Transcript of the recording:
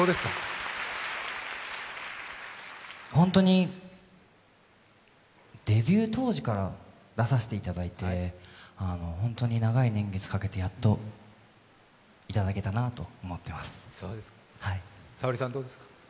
本当にデビュー当時から出させていただいて、長い年月かけてやっといただけたなと思っています。